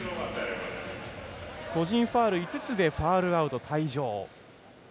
個人ファウル５つでファウルアウト、退場。